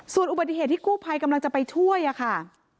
ส่วนอุบัติเหตุที่กู้ภัยกำลังจะไปช่วยค่ะ